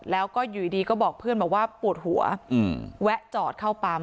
แล้วก็อยู่ดีก็บอกเพื่อนบอกว่าปวดหัวแวะจอดเข้าปั๊ม